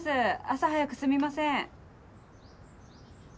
朝早くすみません。